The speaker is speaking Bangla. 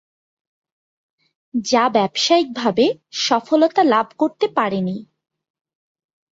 যা ব্যবসায়িকভাবে সফলতা লাভ করতে পারেনি।